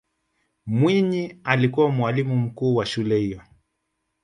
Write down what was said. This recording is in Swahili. mwinyi alikuwa mwalimu mkuu wa shule hiyo